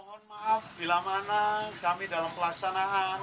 mohon maaf bila mana kami dalam pelaksanaan